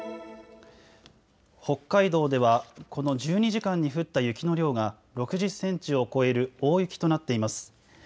北海道ではこの１２時間に降った雪の量が６０センチを超える大雪となっています。